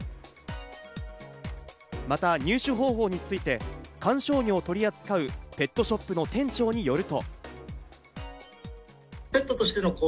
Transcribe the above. また入手方法について、観賞魚を取り扱うペットショップの店長によると。